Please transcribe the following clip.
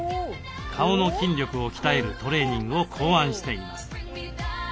顔の筋力を鍛えるトレーニングを考案しています。